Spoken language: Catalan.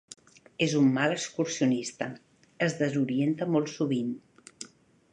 És un mal excursionista: es desorienta molt sovint.